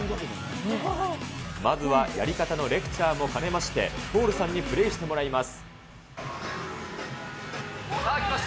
まずはやり方のレクチャーも兼ねまして、トールさんにプレーしてもらいます。